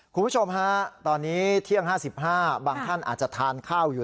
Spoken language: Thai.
คุณผู้ชมฮะตอนนี้เที่ยง๕๕บางท่านอาจจะทานข้าวอยู่